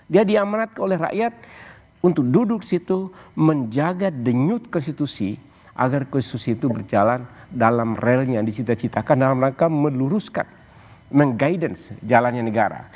dia diamanatkan oleh rakyat untuk duduk di situ menjaga denyut konstitusi agar konstitusi itu berjalan dalam relnya dicita citakan dalam rangka meluruskan meng guidance jalannya negara